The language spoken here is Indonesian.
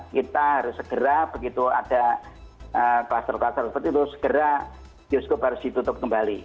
kita harus segera begitu ada kluster kluster seperti itu segera bioskop harus ditutup kembali